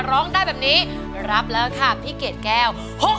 ร้องได้แบบนี้รับแล้วค่ะพี่เกดแก้ว